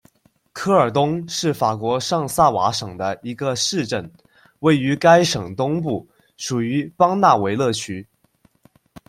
科尔东是法国上萨瓦省的一个市镇，位于该省东部，属于邦讷维勒区。